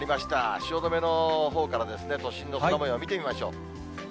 汐留のほうから都心の空もよう見てみましょう。